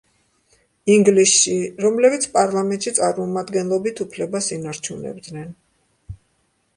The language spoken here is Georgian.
ინგლისში, რომლებიც პარლამენტში წარმომადგენლობით უფლებას ინარჩუნებდნენ.